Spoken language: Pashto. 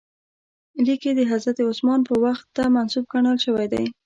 لیک یې د حضرت عثمان وخت ته منسوب ګڼل شوی دی.